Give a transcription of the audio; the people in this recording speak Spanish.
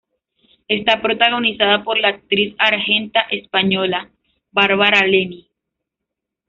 Está protagonizada por la actriz argenta- española Bárbara Lennie.